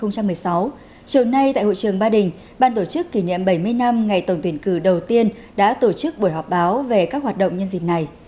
chiều nay tại hội trường ba đình ban tổ chức kỷ niệm bảy mươi năm ngày tổng tuyển cử đầu tiên đã tổ chức buổi họp báo về các hoạt động nhân dịp này